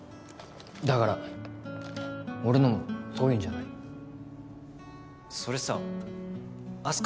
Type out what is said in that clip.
だから俺のもそういうんじゃないそれさあす